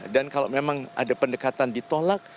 dan kalau memang ada pendekatan ditolak